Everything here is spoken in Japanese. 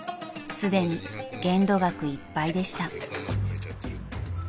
［すでに限度額いっぱいでした］